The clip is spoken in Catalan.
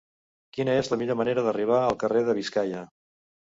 Quina és la millor manera d'arribar al carrer de Biscaia?